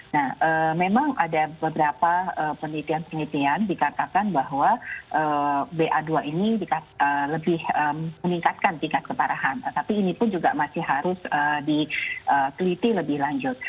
nah memang ada beberapa penelitian penelitian dikatakan bahwa ba dua ini lebih meningkatkan tingkat keparahan tapi ini pun juga masih harus diteliti lebih lanjut